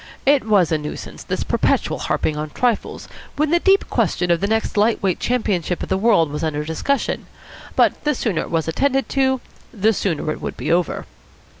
It was a nuisance, this perpetual harping on trifles when the deep question of the light weight Championship of the World was under discussion, but the sooner it was attended to, the sooner it would be over.